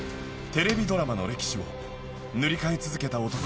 テレビドラマの歴史を塗り替え続けた男